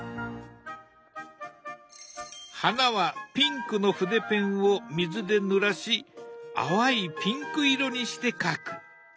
花はピンクの筆ペンを水でぬらし淡いピンク色にして描く。